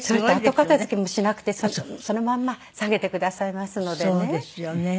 後片付けもしなくてそのまんま下げてくださいますのでね。